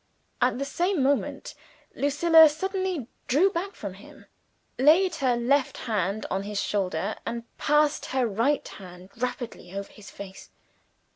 At the same moment, Lucilla suddenly drew back from him, laid her left hand on his shoulder, and passed her right hand rapidly over his face.